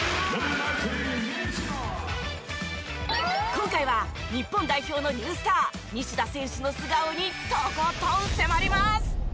今回は日本代表のニュースター西田選手の素顔にとことん迫ります！